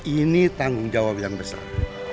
ini tanggung jawab yang besar